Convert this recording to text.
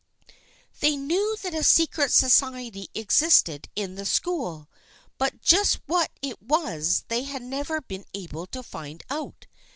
They knew that a secret society existed in the school, but just what it was they had never been able to find out.